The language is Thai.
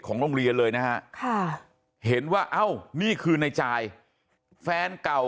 โรงเรียนเลยนะฮะค่ะเห็นว่าเอ้านี่คือในจ่ายแฟนเก่า